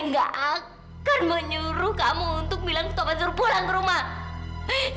enggak akan menyuruh kamu untuk bilang stop going pulang kerumah